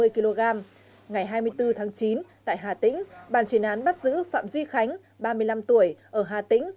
bảy trăm năm mươi kg ngày hai mươi bốn tháng chín tại hà tĩnh bàn chuyển án bắt giữ phạm duy khánh ba mươi năm tuổi ở hà tĩnh